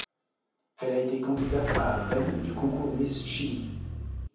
Elle a été candidate à reine du concours Miss Chili.